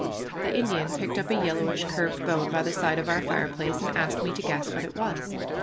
The Indian picked up a yellowish curved bone by the side of our fireplace and asked me to guess what it was.